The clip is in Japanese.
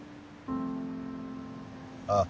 ああ。